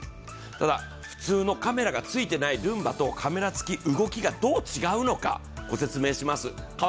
ただ、普通のカメラがついていないルンバとカメラつき、動きがどう違うのかご説明します。